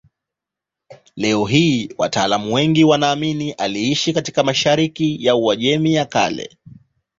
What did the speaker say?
Leo hii wataalamu wengi wanaamini aliishi katika mashariki ya Uajemi ya Kale.